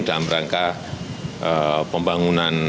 dalam rangka pembangunan